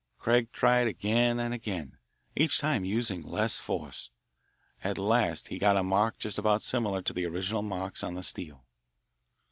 Craig tried again and again, each time using less force. At last he got a mark just about similar to the original marks on the steel.